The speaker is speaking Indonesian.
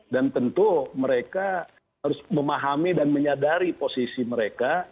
dan tentu mereka harus memahami dan menyadari posisi mereka